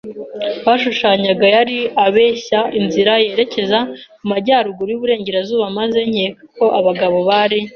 bashushanyaga; yari abeshya inzira yerekeza mu majyaruguru y'uburengerazuba, maze nkeka ko abagabo bari